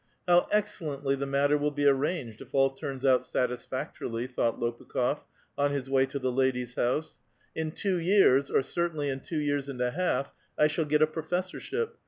^^ How excellently the matter will be arranged, if all turns out satisfactorily," thought Lopukh6f on his way to the lady's house. '•• In two years, or certainly in two years and a half, I shall get a professorship.